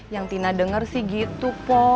yang tina dengar sih gitu